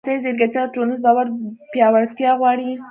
مصنوعي ځیرکتیا د ټولنیز باور پیاوړتیا غواړي.